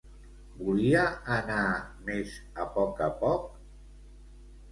Volia anar més a poc a poc?